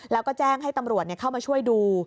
แล้วก็แจ้งให้ตำรวจเข้ามาช่วยดู